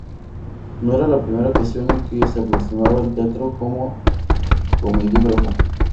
No era la primera ocasión en que se aproximaba al teatro como comediógrafo.